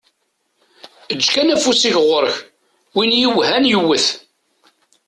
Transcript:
Eǧǧ kan afus-ik ɣur-k, win i iwehhan yewwet.